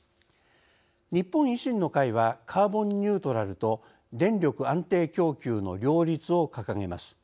日本維新の会は「カーボンニュートラルと電力安定供給の両立」を掲げます。